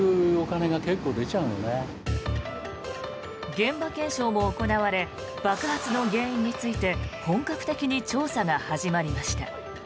現場検証も行われ爆発の原因について本格的に調査が始まりました。